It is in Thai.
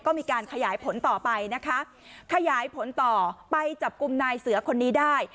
ก็มีการขยายผลต่อไปนะคะขยายผลต่อไปจับกลุ่มนายเสือคนนี้ได้